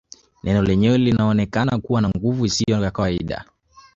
Neno lenyewe linaonekana kuwa na nguvu isiyo ya kawaida